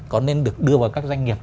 có nên được đưa vào các doanh nghiệp